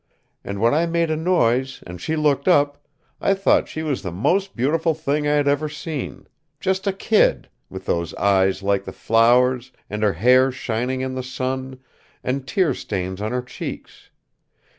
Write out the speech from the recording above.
And when I made a noise, and she looked up, I thought she was the most beautiful thing I had ever seen just a kid, with those eyes like the flowers, and her hair shining in the sun, an' tear stains on her cheeks.